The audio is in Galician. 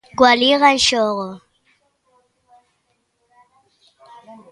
Coa Liga en xogo.